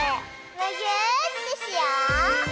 むぎゅーってしよう！